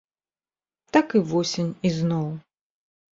Так і восень ізноў.